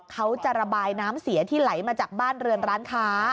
เขาจะระบายน้ำเสียที่ไหลมาจากบ้านเรือนร้านค้า